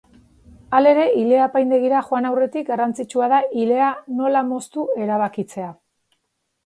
Halere, ile-apaindegira joan aurretik garrantzitsua da ilea nola moztu erabakitzea.